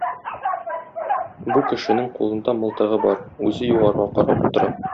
Бу кешенең кулында мылтыгы бар, үзе югарыга карап утыра.